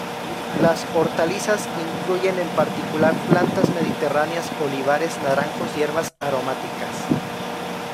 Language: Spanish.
Las hortalizas incluyen, en particular, plantas mediterráneas: olivares, naranjos, hierbas aromáticas.